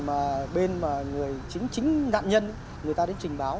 mà bên mà chính chính nạn nhân người ta đến trình báo